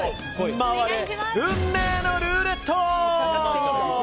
回れ、運命のルーレット！